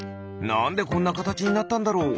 なんでこんなかたちになったんだろう？